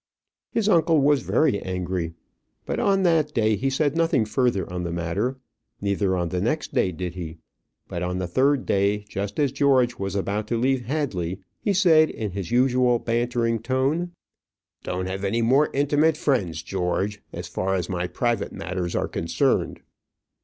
His uncle was very angry, but on that day he said nothing further on the matter; neither on the next day did he; but on the third day, just as George was about to leave Hadley, he said, in his usual bantering tone, "Don't have any more intimate friends, George, as far as my private matters are concerned."